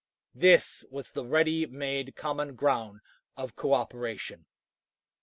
This was the ready made, common ground of cooperation.